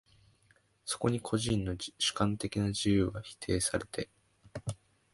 そこに個人の主観的な自由は否定されて、